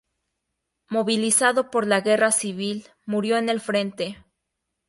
Movilizado por la Guerra Civil, murió en el frente.